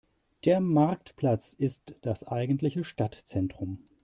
Der Marktplatz ist das eigentliche Stadtzentrum.